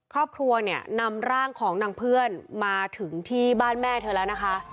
ครอบครัวเนี่ยนำร่างของนางเพื่อนมาถึงที่บ้านแม่เธอแล้วนะคะ